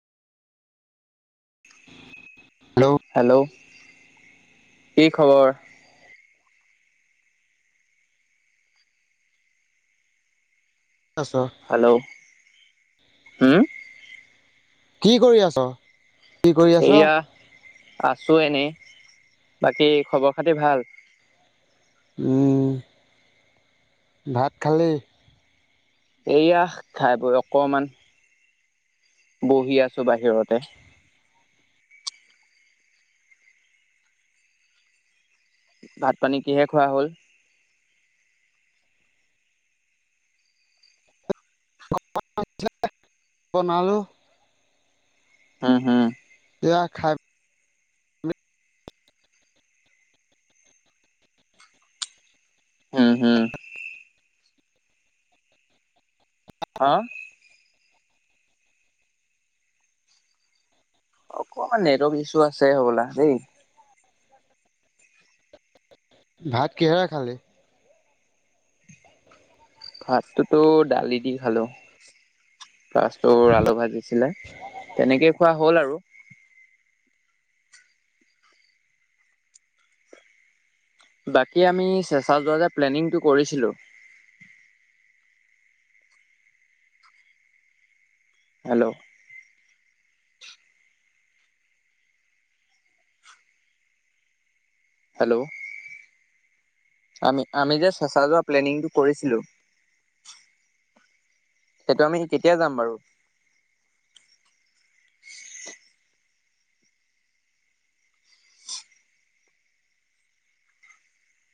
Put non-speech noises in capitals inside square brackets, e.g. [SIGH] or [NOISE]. [UNINTELLIGIBLE] Hello কি খবৰ? আছ হেল্ল' হম? কি কৰি আছ? কি কৰি আছ এয়া আছো এনেই৷ বাকী খবৰ খাতি ভাল? উম, ভাত খালি? এইয়া খাই বৈ অকমান বহি আছো বাহিৰতে। ভাত পানী কিহে খোৱা হ'ল। বনালো। হম হম। সেয়া খাই। হম হম। হাঁ। অকমান নেটৱৰ্ক ইছ্যু আছে হ'বলা দেই। ভাত কেহেৰে খালি? ভাতটোতো দালি দি খালোঁ। আলু ভাজিছিলে তেনেকেই খোৱা হ'ল আৰু। বাকী আমি চেচা যে প্লেনিটো কৰিছিলোঁ। হেল্ল'। হেল্ল আমি যে, চেচা যোৱা প্লেনীং তো কৰিছিলো, সেই তো আমি কেতিয়া যাম বাৰু?